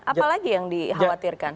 apa lagi yang dikhawatirkan